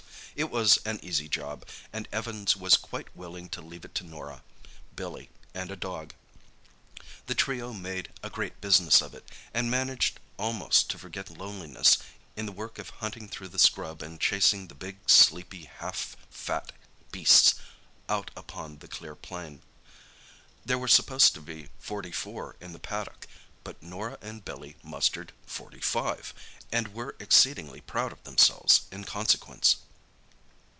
It was an easy job, and Evans was quite willing to leave it to Norah, Billy and a dog. The trio made a great business of it, and managed almost to forget loneliness in the work of hunting through the scrub and chasing the big, sleepy half fat beasts out upon the clear plain. There were supposed to be forty four in the paddock, but Norah and Billy mustered forty five, and were exceedingly proud of themselves in consequence.